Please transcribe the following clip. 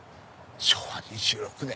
昭和２６年！